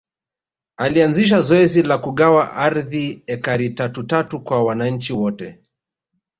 Alanzisha zoezi la kugawa ardhi ekari tatu tatu kwa wananchi wote